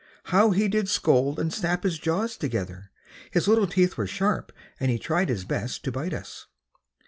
How he did scold and snap his jaws together! His little teeth were sharp and he tried his best to bite us.